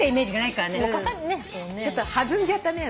ちょっと弾んじゃったね。